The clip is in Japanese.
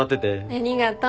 ありがとう。